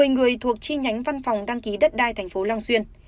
một mươi người thuộc chi nhánh văn phòng đăng ký đất đai tp long xuyên